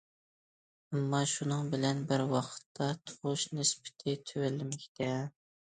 ئەمما، شۇنىڭ بىلەن بىر ۋاقىتتا، تۇغۇش نىسبىتى تۆۋەنلىمەكتە.